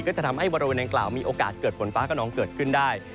จะทำให้บริเวณดังกล่าวมีโอกาสเกิดฝนฟ้ากระนองเกิดขึ้นได้